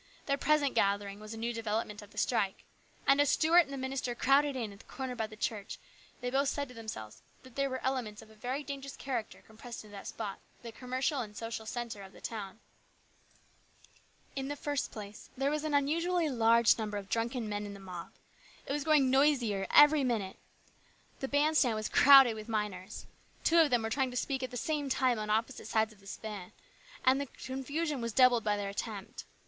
Their present gathering was a new development of the strike ; and as Stuart and the minister crowded in at the corner by the church they both said to themselves that there were elements of a very dangerous, character compressed into that spot, the commercial and social centre of the town. In the first place there was an unusually large number of drunken men in the mob. It was growing noisier every minute. The band stand was crowded with miners. Two of them were trying to speak at the same time on opposite sides of the stand, and the confusion was doubled by their attempt.